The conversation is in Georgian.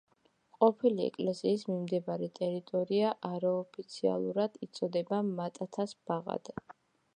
ყოფილი ეკლესიის მიმდებარე ტერიტორია არაოფიციალურად იწოდება მატათას ბაღად.